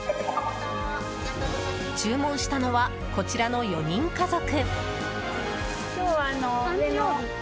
注文したのはこちらの４人家族。